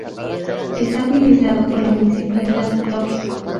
Está administrado por la municipalidad de Tokio.